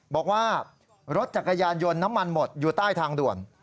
บอกว่ารถจักรยานยนต์น้ำมันหมดอยู่ใต้ทางด่วน